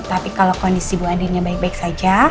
tapi kalau kondisi bu adinnya baik baik saja